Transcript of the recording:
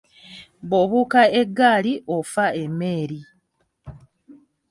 Bw’obuuka eggaali ofa emmeeri.